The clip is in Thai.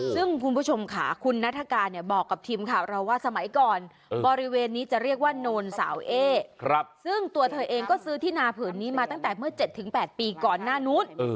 ซึ่งคุณผู้ชมค่ะคุณนัฐกาลเนี่ยบอกกับทีมข่าวเราว่าสมัยก่อนบริเวณนี้จะเรียกว่าโนนสาวเอ๊ซึ่งตัวเธอเองก็ซื้อที่นาผืนนี้มาตั้งแต่เมื่อ๗๘ปีก่อนหน้านู้น